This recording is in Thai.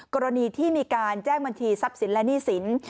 กรณีที่มีการแจ้งบัญชีทรัพย์สินและหนี้สิน